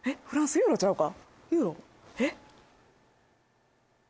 ユーロちゃうか？